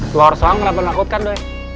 telor soang kenapa menakutkan doi